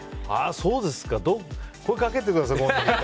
そうですか、声かけてください。